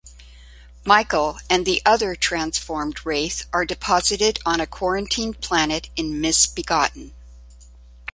Michael and the other transformed Wraith are deposited on a quarantined planet in "Misbegotten".